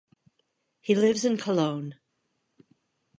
He lives in Cologne.